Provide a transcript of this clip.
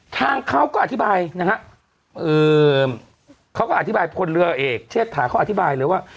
ทางเขาก็อธิบายนะฮะเขาก็อธิบายพลเรือเอกเชษฐาเขาอธิบายเลยว่า